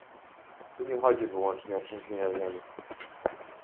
Tu nie chodzi wyłącznie o trzęsienia ziemi